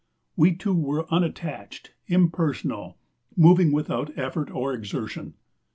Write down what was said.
We two were unattached, impersonal, moving without effort or exertion.